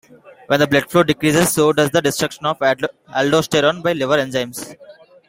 When the blood flow decreases so does the destruction of aldosterone by liver enzymes.